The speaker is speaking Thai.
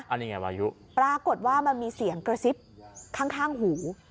อันนี้ไงวายุปรากฏว่ามันมีเสียงกระซิบข้างหู